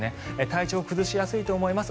体調を崩しやすいと思います。